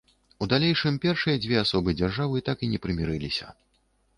У далейшым першыя дзве асобы дзяржавы так і не прымірыліся.